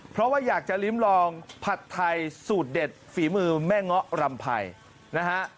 เพราะว่าอยากจะลิ้มลองผัดไทยสูตรเด็ดฝีมือแม่เงาะรำไพรนะฮะ